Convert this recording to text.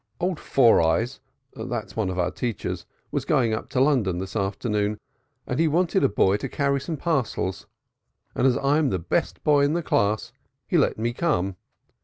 Old Four Eyes that's one of our teachers was going up to London this afternoon, and he wanted a boy to carry some parcels, and as I'm the best boy in my class he let me come.